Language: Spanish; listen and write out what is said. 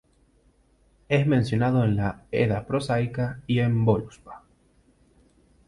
Es mencionado en la "Edda prosaica" y en "Völuspá".